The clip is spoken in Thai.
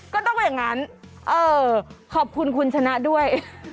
ก็ต้องว่าอย่างนั้นเออขอบคุณคุณชนะด้วย